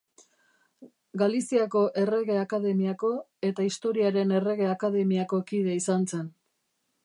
Galiziako Errege Akademiako eta Historiaren Errege Akademiako kide izan zen.